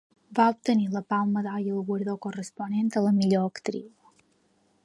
Va obtenir la Palma d'Or i el guardó corresponent a la millor actriu.